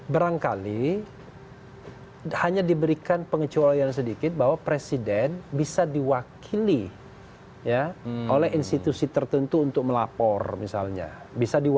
barangkali hanya diberikan pengecualian sedikit bahwa presiden bisa diwakili oleh institusi tertentu untuk melapor misalnya